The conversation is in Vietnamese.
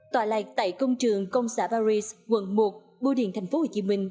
tòa lạc tại công trường công xã paris quận một bưu điện thành phố hồ chí minh